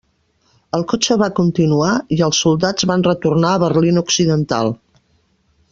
El cotxe va continuar i els soldats van retornar a Berlín Occidental.